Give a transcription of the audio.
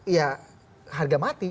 ya harga mati